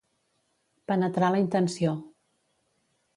Penetrar la intenció.